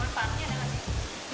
manfaatnya ada apa